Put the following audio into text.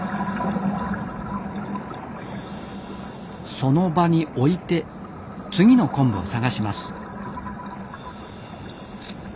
その場に置いて次の昆布を探します。